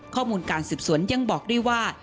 ข้อมูลการสืบสวนยังบอกด้วยว่า